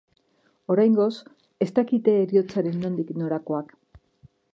Oraingoz, ez dakizkite heriotzaren nondik norakoak.